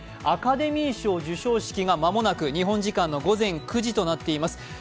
アカデミー賞授賞式が間もなく日本時間の午前９時となっています